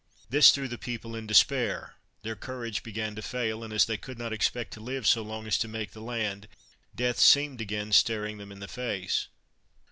This threw the people in despair, their courage began to fail, and as they could not expect to live so long as to make the land, death seemed again staring them in the face.